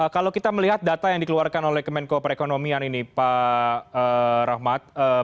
kalau kita melihat data yang dikeluarkan oleh kemenko perekonomian ini pak rahmat